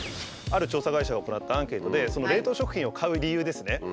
ある調査会社が行ったアンケートで冷凍食品を買う理由ですね。